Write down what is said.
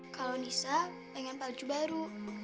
kalau nisa ingin baju baru